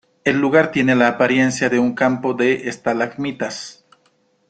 El lugar tiene la apariencia de un campo de estalagmitas.